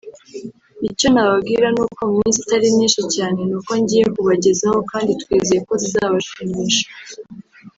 “Icyo nababwira ni uko mu minsi itari myinshi cyane ni uko ngiye kubagezaho kandi twizeye ko zizabashimisha